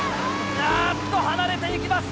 あっと離れていきます